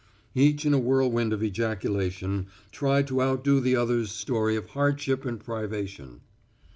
Each in a whirlwind of ejaculation tried to outdo the other's story of hardship and privation.